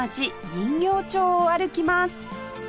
人形町を歩きます